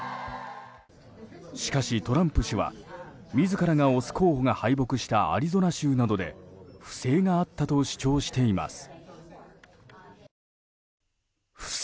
しかし、トランプ氏は自らが推す候補が敗北したアリゾナ州などで不正があったと主張しています。